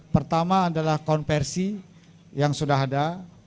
pertama adalah konversi yang sudah ada